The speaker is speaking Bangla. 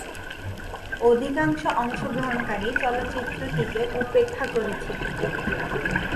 অধিকাংশ অংশগ্রহণকারী চলচ্চিত্রটিকে উপেক্ষা করেছিল।